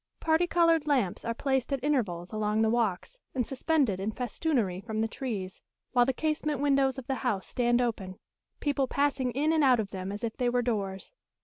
Parti coloured lamps are placed at intervals along the walks, and suspended in festoonery from the trees, while the casement windows of the house stand open, people passing in and out of them as if they were doors.